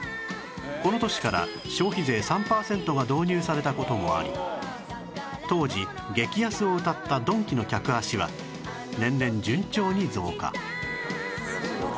この年から消費税３パーセントが導入された事もあり当時激安をうたったドンキの客足は年々順調に増加